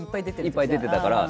いっぱい出てたから。